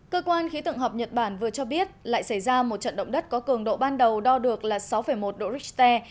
cơ quan khí tượng học nhật bản vừa cho biết lại xảy ra một trận động đất có cường độ ban đầu đo được là sáu một độ richter